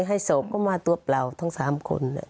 ไปให้สมก็มาตัวเปล่าทั้ง๓คนเลย